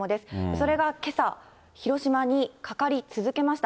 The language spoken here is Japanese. それがけさ、広島にかかり続けました。